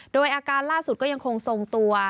โดยอาการล่าสุดก็ยังคงทรงตัว